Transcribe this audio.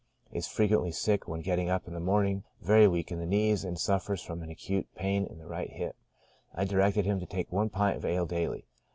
Is frequently sick when getting up in the morn ing ; very weak in the knees, and suffers from an acute pain in the right hip. I directed him to take one pint of ale daily.